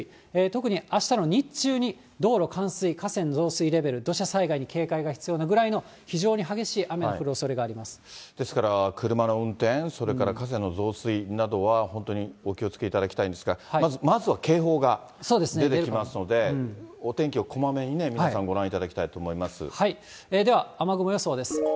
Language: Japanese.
特にあしたの日中に道路冠水、河川増水レベル、土砂災害に警戒が必要なぐらいの非常に激しい雨ですから車の運転、それから河川の増水などは本当にお気をつけいただきたいんですが、まずは警報が出てきますので、お天気をこまめに、皆さんご覧いたでは、雨雲予想です。